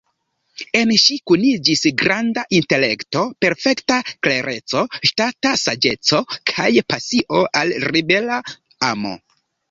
En ŝi kuniĝis granda intelekto, perfekta klereco, ŝtata saĝeco kaj pasio al "libera amo".